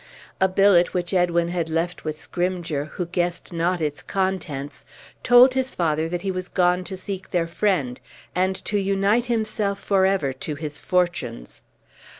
A billet, which Edwin had left with Scrymgeour, who guessed not its contents, told his father that he was gone to seek their friend, and to unite himself forever to his fortunes.